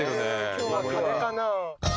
今日は鐘かな。